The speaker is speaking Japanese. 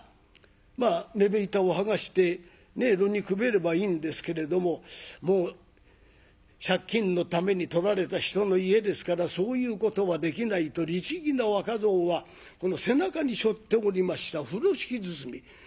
まあねぶ板を剥がして炉にくべればいいんですけれどももう借金のために取られた人の家ですからそういうことはできないと律儀な若蔵はこの背中にしょっておりました風呂敷包み。